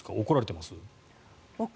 怒られてます？